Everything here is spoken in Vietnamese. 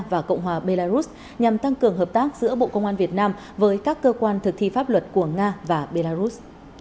và cộng hòa belarus nhằm tăng cường hợp tác giữa bộ công an việt nam với các cơ quan thực thi pháp luật của nga và belarus